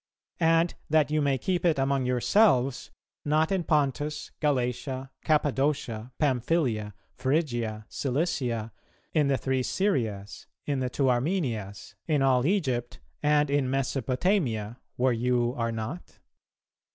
And that you may keep it among yourselves, not in Pontus, Galatia, Cappadocia, Pamphylia, Phrygia, Cilicia, in the three Syrias, in the two Armenias, in all Egypt, and in Mesopotamia, where you are not?